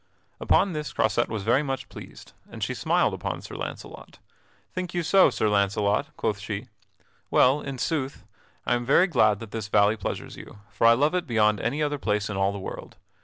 Upon this Croisette was very much pleased, and she smiled upon Sir Launcelot. "Think you so, Sir Launcelot?" quoth she. "Well, in sooth, I am very glad that this valley pleasures you; for I love it beyond any other place in all the world.